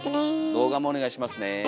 動画もお願いしますね。